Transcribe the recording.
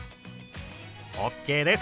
ＯＫです！